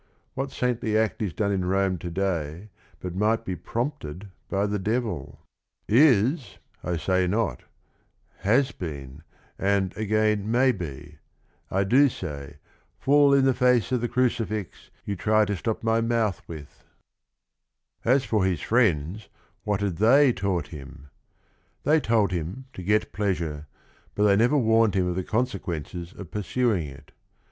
What saintly act is done in Rome to day But might be prompted by the devil, — 'is ' I say not, — 'has been, and again may be,' — I do say, full i' the face o' the crucifix You try to stop my mouth with !" 12 178 THE RING AND THE BOOK As for his friends what had they taught him? They told him to get pleasure, but they never warned him of the consequences of pursuing it.